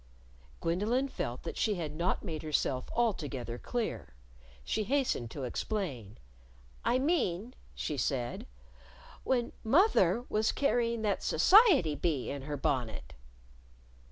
Gwendolyn felt that she had not made herself altogether clear. She hastened to explain. "I mean," she said, "when moth er was carrying that society bee in her bonnet."